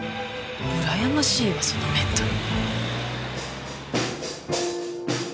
うらやましいわそのメンタル。